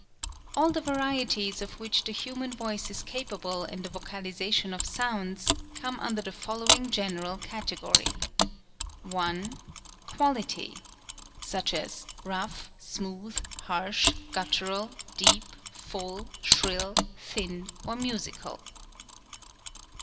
All the varieties of which the human voice is capable in the vocalization of sounds, come under the following general category: 1. Quality — such as rough, smooth, harsh, guttural, deep, full, shrill, thin or musical.